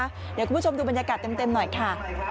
เดี๋ยวคุณผู้ชมดูบรรยากาศเต็มหน่อยค่ะ